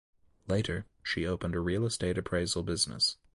Later, she opened a real estate appraisal business.